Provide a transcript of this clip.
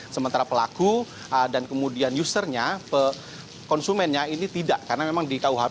sementara pelaku dan kemudian usernya konsumennya ini tidak karena memang di kuhp